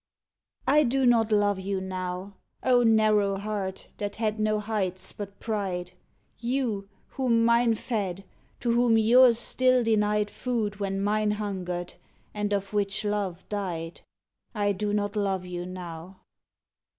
I do not love you now, O narrow heart, that had no heights but pride! You, whom mine fed; to whom yours still denied Food when mine hungered, and of which love died I do not love you now.